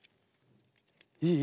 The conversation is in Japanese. いい？